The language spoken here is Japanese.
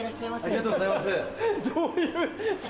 ありがとうございます。